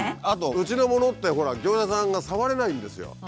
あとうちのものってほら業者さんが触れないんですよ。